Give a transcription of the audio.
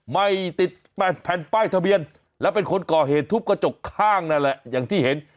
ไม่ติดแผ่นป้ายทะเบียนแล้วเป็นคนก่อเหตุทุบกระจกข้างนั่นแหละอย่างที่เห็น